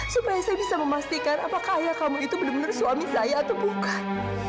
supaya saya bisa memastikan apakah ayah kamu itu benar benar suami saya atau bukan